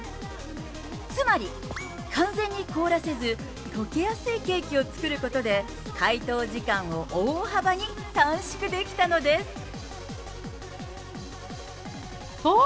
つまり、完全に凍らせず、溶けやすいケーキを作ることで、解凍時間を大幅に短縮できたのです。